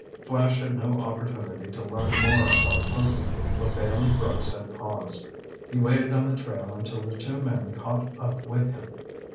Flash had no opportunity to learn more about Povy, for Bailey Brooks had paused. He waited on the trail until the two men caught up with him.